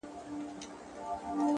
نو دغه نوري شپې بيا څه وكړمه;